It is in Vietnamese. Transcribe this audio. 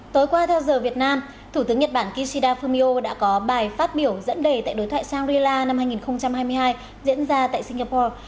tối qua theo giờ việt nam thủ tướng nhật bản kishida fumio đã có bài phát biểu dẫn đề tại đối thoại shangri la năm hai nghìn hai mươi hai diễn ra tại singapore